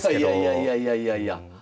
いやいやいやいやいや。